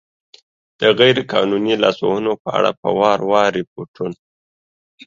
د غیر قانوني لاسوهنو په اړه په وار وار ریپوټون